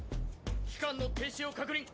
機関の停止を確認。